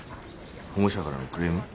保護者からのクレーム？